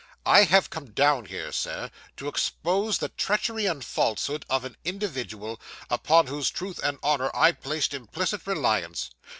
'I have come down here, Sir, to expose the treachery and falsehood of an individual, upon whose truth and honour I placed implicit reliance.